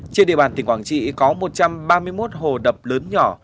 trên địa bàn tỉnh quảng trị có một trăm ba mươi một hồ đập lớn nhỏ